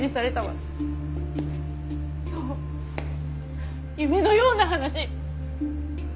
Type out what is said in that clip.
そう夢のような話。